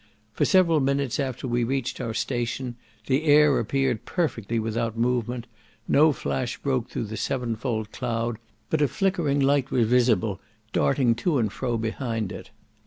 For several minutes after we reached our station, the air appeared perfectly without movement, no flash broke through the seven fold cloud, but a flickering light was visible, darting to and fro behind it.